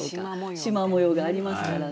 しま模様がありますからね。